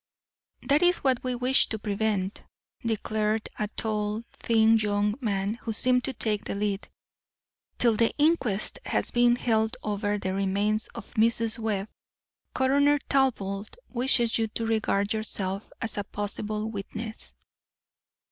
"That is what we wish to prevent," declared a tall, thin young man who seemed to take the lead. "Till the inquest has been held over the remains of Mrs. Webb, Coroner Talbot wishes you to regard yourself as a possible witness."